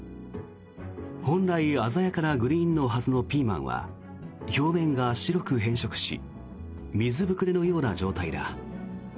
本来鮮やかなグリーンのはずのピーマンは表面が白く変色し水膨れのような状態だ。